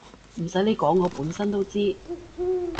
唔使你講我本身都知